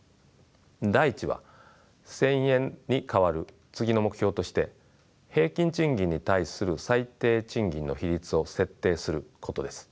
第１は１，０００円に代わる次の目標として「平均賃金に対する最低賃金の比率を設定する」ことです。